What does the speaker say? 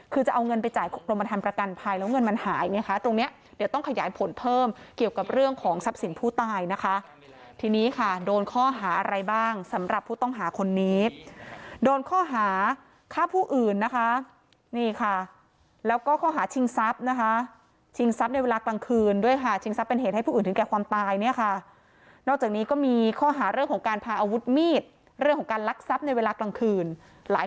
คือจะเอาเงินไปจ่ายโรงบันทรัพย์ประกันภัยแล้วเงินมันหาย